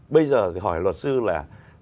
bây giờ thì hỏi luật sư là